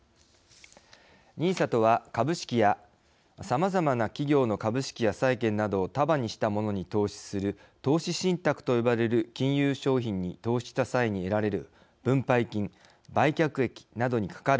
ＮＩＳＡとは株式やさまざまな企業の株式や債券などを束にしたものに投資する投資信託と呼ばれる金融商品に投資した際に得られる分配金売却益などにかかる税金。